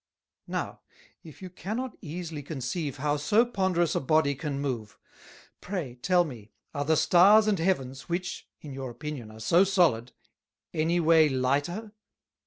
"Now if you cannot easily conceive how so ponderous a Body can move; Pray, tell me, are the Stars and Heavens, which, in your Opinion, are so solid, any way lighter?